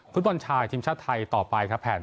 ทีมชาติไทยต่อไปครับแผน